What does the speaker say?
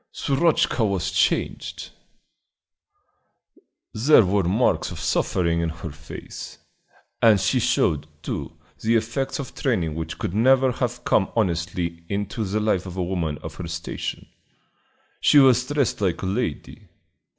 Shurochka was changed; there were marks of suffering in her face, and she showed, too, the effects of training which could never have come honestly into the life of a woman of her station. She was dressed like a lady.